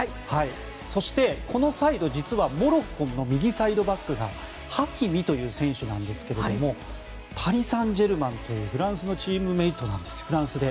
そして、このサイド実はモロッコの右サイドバックがハキミという選手なんですがパリ・サンジェルマンというフランスでチームメートなんです。